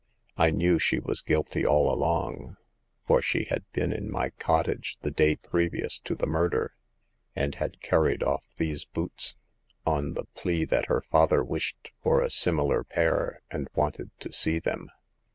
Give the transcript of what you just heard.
I knew she was guilty all along ; for she had been in my cottage the day previous to the murder, and had carried off these boots, on the plea that her father wished for a similar pair, and wanted to see them.